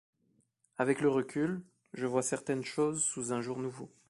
Avec le recul, je vois certaines choses sous un jour nouveau.